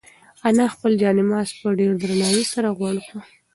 انا خپل جاینماز په ډېر درناوي سره غونډ کړ.